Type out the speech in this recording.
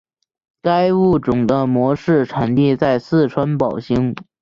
该物种的模式产地在四川宝兴。